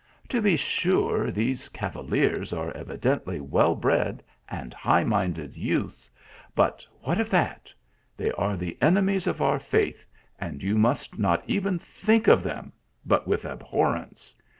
To be sure, these cavaliers are evidently well bred and high minded youths but what of that ! they are the enemies of our faith, and you must not even think of them, but with abhor renje."